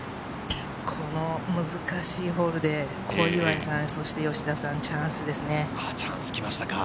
この難しいホールで小祝さん、そして吉田さん、チャンスですね。